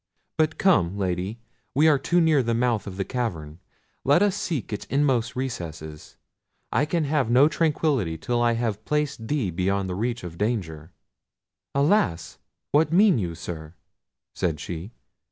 But come, Lady, we are too near the mouth of the cavern; let us seek its inmost recesses. I can have no tranquillity till I have placed thee beyond the reach of danger." "Alas! what mean you, sir?" said she.